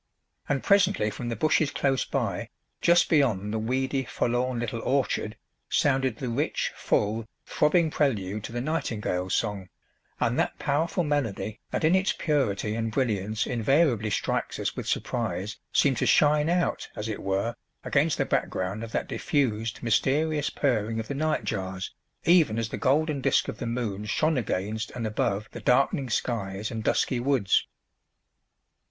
And presently from the bushes close by, just beyond the weedy, forlorn little "orchard," sounded the rich, full, throbbing prelude to the nightingale's song, and that powerful melody that in its purity and brilliance invariably strikes us with surprise seemed to shine out, as it were, against the background of that diffused, mysterious purring of the nightjars, even as the golden disc of the moon shone against and above the darkening skies and dusky woods.